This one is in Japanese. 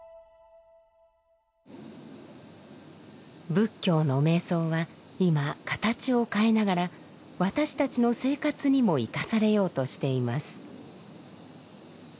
仏教の瞑想は今形を変えながら私たちの生活にも生かされようとしています。